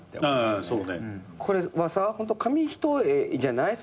これはさホント紙一重じゃない？